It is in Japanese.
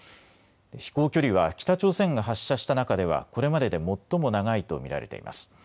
飛行距離は北朝鮮が発射した中ではこれまでで最も長いと見られています。